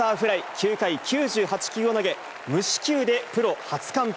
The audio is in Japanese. ９回９８球を投げ、無四球でプロ初完封。